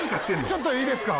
ちょっといいですか？